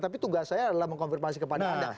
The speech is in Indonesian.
tapi tugas saya adalah mengkonfirmasi kepada anda